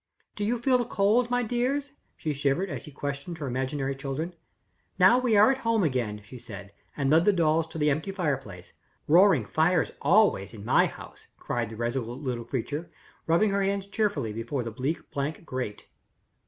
Do you feel the cold, my dears?" She shivered as she questioned her imaginary children. "Now we are at home again," she said, and led the dolls to the empty fireplace. "Roaring fires always in my house," cried the resolute little creature, rubbing her hands cheerfully before the bleak blank grate.